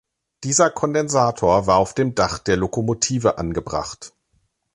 Dieser Kondensator war auf dem Dach der Lokomotive angebracht.